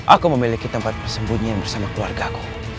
aku memiliki tempat persembunyian bersama keluarga ku